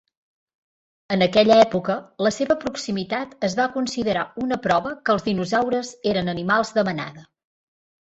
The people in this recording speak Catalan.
En aquella època, la seva proximitat es va considerar una prova que els dinosaures eren animals de manada.